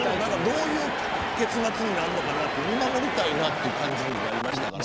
どういう結末になるのか見守りたいなという感じにもなりましたから。